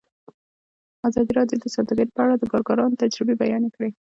ازادي راډیو د سوداګري په اړه د کارګرانو تجربې بیان کړي.